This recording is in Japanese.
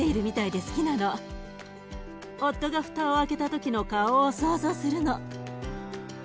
夫が蓋を開けた時の顔を想像するの。